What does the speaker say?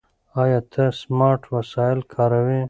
ایا ته سمارټ وسایل کاروې؟